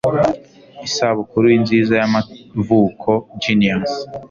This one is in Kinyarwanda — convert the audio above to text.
Isabukuru nziza y'amavuko Genius